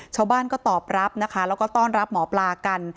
ชาวบ้านก็ตอบรับนะคะแล้วก็ต้อนรับหมอปลากัน